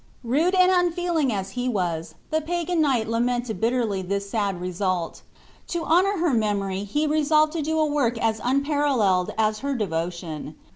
Rude and unfeeling as he was, the pagan knight lamented bitterly this sad result. To honor her memory he resolved to do a work as unparalleled as her devotion.